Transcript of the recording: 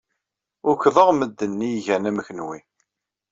Ukḍeɣ medden ay igan am kenwi.